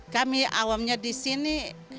kami awalnya di sini